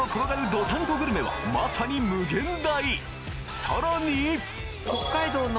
道産子グルメはまさに無限大！